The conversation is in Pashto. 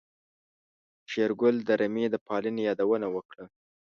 شېرګل د رمې د پالنې يادونه وکړه.